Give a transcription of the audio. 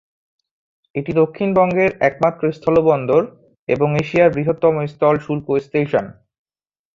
এটি দক্ষিণবঙ্গের একমাত্র স্থলবন্দর এবং এশিয়ার বৃহত্তম স্থল শুল্ক-স্টেশন।